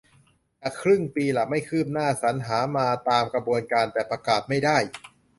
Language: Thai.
จะครึ่งปีละ ไม่คืบหน้า สรรหามาตามกระบวนการ แต่ประกาศไม่ได้